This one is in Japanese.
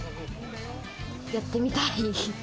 やってみたい。